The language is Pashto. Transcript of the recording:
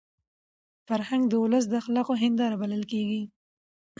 فرهنګ د ولس د اخلاقو هنداره بلل کېږي.